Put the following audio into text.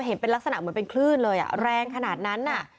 เห็นเป็นลักษณะเหมือนเป็นคลื่นเลยแรงขนาดนั้น